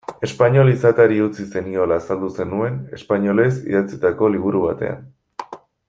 Espainol izateari utzi zeniola azaldu zenuen, espainolez idatzitako liburu batean.